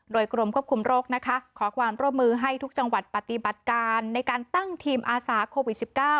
โดยกรมควบคุมโรคนะคะขอความร่วมมือให้ทุกจังหวัดปฏิบัติการในการตั้งทีมอาสาโควิด๑๙